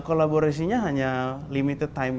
kolaborasinya hanya limited time